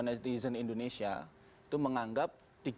netizen indonesia itu menganggap